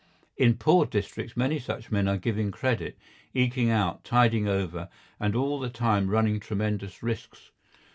In poor districts many such men are giving credit, eking out, tiding over, and all the time running tremendous risks.